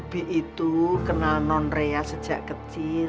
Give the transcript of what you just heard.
gak usah sombong sama dia ria